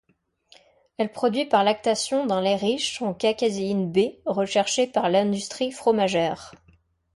Elle produit par lactation d'un lait riche en k-caséine B recherchée par l'industrie fromagère.